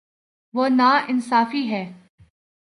وہ نا انصافی ہے